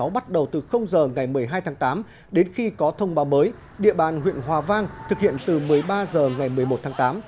bắt đầu từ h ngày một mươi hai tháng tám đến khi có thông báo mới địa bàn huyện hòa vang thực hiện từ một mươi ba h ngày một mươi một tháng tám